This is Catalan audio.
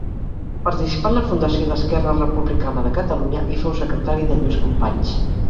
Participà en la fundació d'Esquerra Republicana de Catalunya i fou secretari de Lluís Companys.